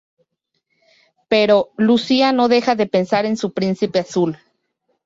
Pero, Lucía no deja de pensar en su "príncipe azul".